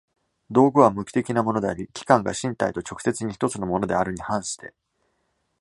道具は無機的なものであり、器宮が身体と直接に一つのものであるに反して